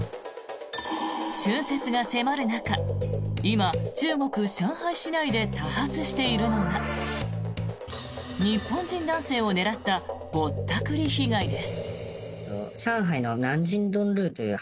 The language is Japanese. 春節が迫る中今、中国・上海市内で多発しているのが日本人男性を狙ったぼったくり被害です。